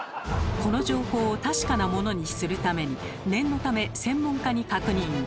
この情報を確かなものにするために念のため専門家に確認。